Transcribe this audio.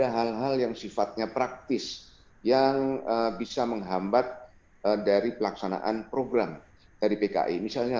hal hal yang sifatnya praktis yang bisa menghambat dari pelaksanaan program dari pki misalnya